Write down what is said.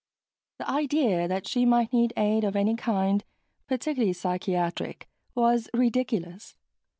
The idea that she might need aid of any kind, particularly psychiatric, was ridiculous.